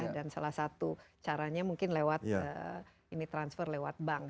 dan salah satu caranya mungkin lewat ini transfer lewat bank